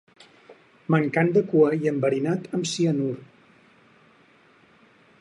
Mancant de cua i enverinat amb cinaur.